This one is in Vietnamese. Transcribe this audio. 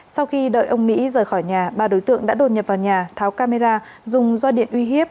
sau khi đợi ông mỹ rời khỏi nhà ba đối tượng đã đột nhập vào nhà tháo camera dùng do điện uy hiếp